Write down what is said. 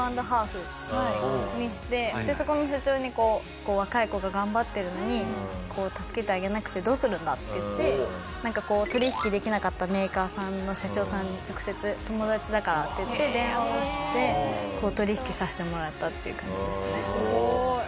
でそこの社長が若い子が頑張ってるのに助けてあげなくてどうするんだって言って取引できなかったメーカーさんの社長さんに直接友達だからって言って電話をして取引させてもらったっていう感じですね。